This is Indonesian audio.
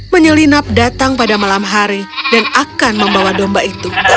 menyelinap datang pada malam hari dan akan membawa domba itu